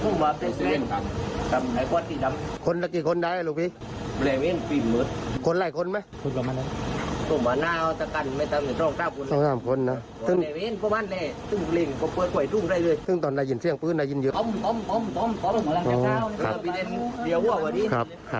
นั้นเราปกป้องกับจรรย์รัฐลงงานในจิตอย่างดูด้วย